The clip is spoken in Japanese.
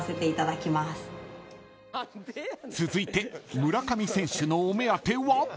［続いて村上選手のお目当ては？］